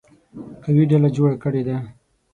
قوي ډله جوړه کړې ده.